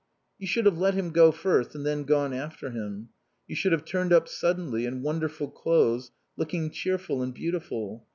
"You should have let him go first and then gone after him. You should have turned up suddenly, in wonderful clothes, looking cheerful and beautiful.